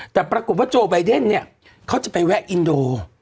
แต่ปรากฏว่าโจไบเดนเนี่ยเขาจะไปแวะอินโด